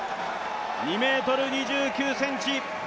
２ｍ２９ｃｍ。